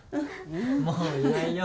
もういないよ。